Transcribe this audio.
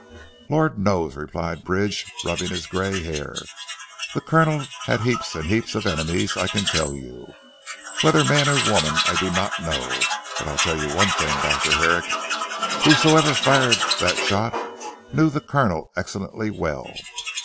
"Lord knows," replied Bridge rubbing his grey hair. "The Colonel had heaps and heaps of enemies I can tell you. Whether man or woman, I do not know. But I'll tell you one thing Dr. Herrick, whosoever fired the shot knew the Colonel excellently well."